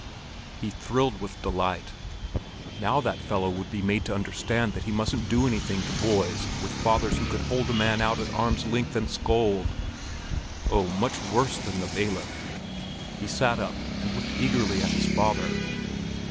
He thrilled with delight. Now that fellow would be made to understand that he mustn't do anything to boys with fathers who could hold a man out at arm's length and scold! oh, much worse than the bailiff. He sat up and looked eagerly at his father.